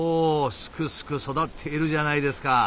すくすく育っているじゃないですか！